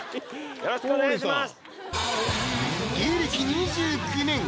よろしくお願いします！